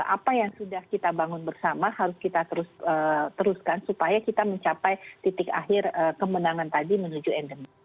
apa yang sudah kita bangun bersama harus kita teruskan supaya kita mencapai titik akhir kemenangan tadi menuju endemi